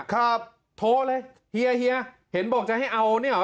ครับโทรเลยเฮียเฮียเห็นบอกจะให้เอาเนี่ยเหรอ